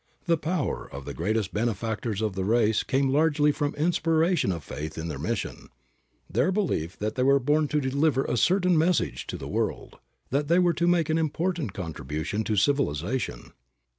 The power of the greatest benefactors of the race came largely from the inspiration of faith in their mission, their belief that they were born to deliver a certain message to the world, that they were to make an important contribution to civilization.